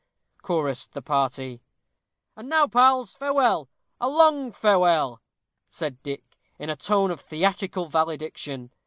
chorused the party. "And now, pals, farewell! a long farewell!" said Dick, in a tone of theatrical valediction.